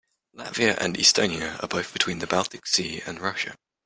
Latvia and Estonia are both between the Baltic Sea and Russia.